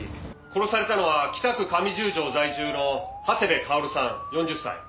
殺されたのは北区上十条在住の長谷部薫さん４０歳。